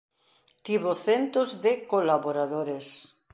Tivo centos de colaboradores.